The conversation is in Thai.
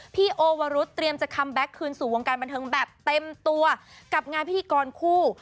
พี่โอวรุษเตรียมจะคัมแก๊กคืนสู่วงการบันเทิงแบบเต็มตัวกับงานพิธีกรคู่